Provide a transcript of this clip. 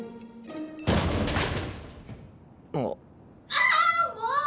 ・あっもう！